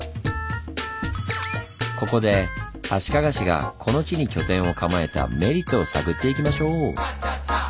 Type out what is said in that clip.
ここで足利氏がこの地に拠点を構えたメリットを探っていきましょう！